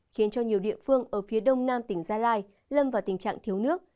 khiến cho nhiều địa phương ở phía đông nam tỉnh gia lai lâm vào tình trạng thiếu nước